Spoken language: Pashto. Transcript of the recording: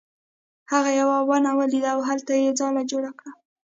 هغه یوه ونه ولیده او هلته یې ځاله جوړه کړه.